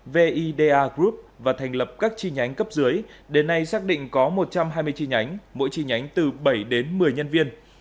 vida group và thành lập các chi nhánh cấp dưới đến nay xác định có một trăm hai mươi chi nhánh mỗi chi nhánh từ bảy đến một mươi nhân viên